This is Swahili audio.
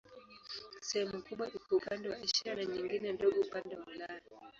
Sehemu kubwa iko upande wa Asia na nyingine ndogo upande wa Ulaya.